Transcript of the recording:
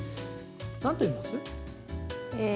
なんと読みます？